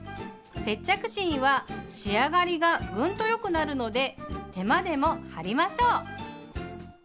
接着芯は仕上がりがグンとよくなるので手間でも貼りましょう。